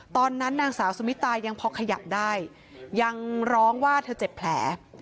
ตอนนั้นนางสาวสุมิตายังพอขยับได้ยังร้องว่าเธอเจ็บแผล